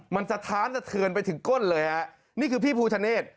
มันสะท้านสะเทือนไปถึงก้นเลยฮะนี่คือพี่ภูทะเนธ